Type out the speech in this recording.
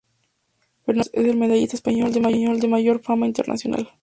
Fernando de Jesús es el medallista español de mayor fama internacional.